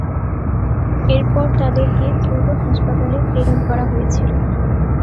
এরপর তাদেরকে দ্রুত হাসপাতালে প্রেরণ করা হয়েছিল।